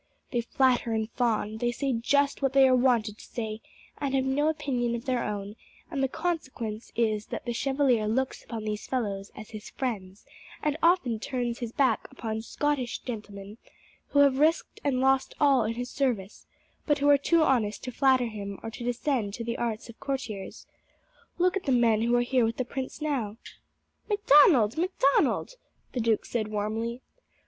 They flatter and fawn, they say just what they are wanted to say, and have no opinion of their own, and the consequence is that the Chevalier looks upon these fellows as his friends, and often turns his back upon Scottish gentlemen who have risked and lost all in his service, but who are too honest to flatter him or to descend to the arts of courtiers. Look at the men who are here with the prince now." "Macdonald! Macdonald!" the duke said warmly.